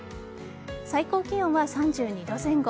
最高気温は３２度前後。